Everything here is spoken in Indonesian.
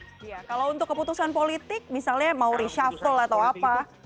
iya kalau untuk keputusan politik misalnya mau reshuffle atau apa